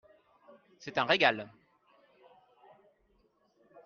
C'est un régal !